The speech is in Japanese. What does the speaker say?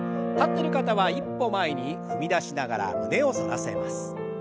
立ってる方は一歩前に踏み出しながら胸を反らせます。